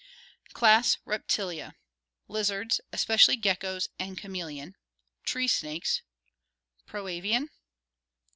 Class Reptilia Lizards, especially geckoes and chameleon. Tree snakes. "Proavian"?